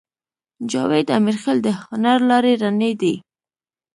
جاوید امیرخېل د هنر لارې رڼې دي